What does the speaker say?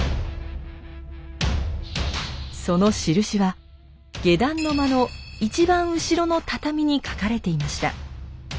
その印は下段の間の一番後ろの畳に描かれていました。